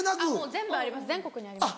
全部あります